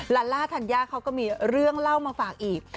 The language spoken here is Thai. ลาล่าธัญญาเขาก็มีเรื่องเล่ามาฝากอีก